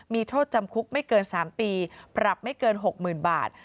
มีโทษจำคุกไม่เกิน๓ปีปรับไม่เกิน๖๐๐๐บาท